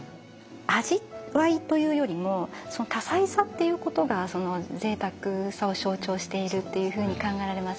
味わいというよりもその多彩さっていうことがそのぜいたくさを象徴しているっていうふうに考えられますよね。